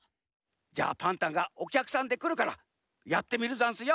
じゃあパンタンがおきゃくさんでくるからやってみるざんすよ。